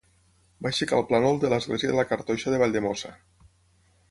Va aixecar el plànol de l'església de la Cartoixa de Valldemossa.